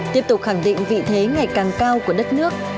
tiếp tục khẳng định vị thế ngày càng cao của đất nước